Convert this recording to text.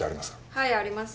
はいあります。